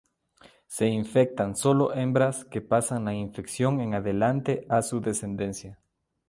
Se infectan sólo hembras que pasan la infección en adelante a su descendencia.